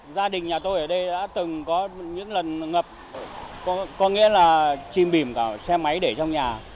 gia đình nhà tôi ở đây đã từng có những lần ngập có nghĩa là chìm bìm cả xe máy để trong nhà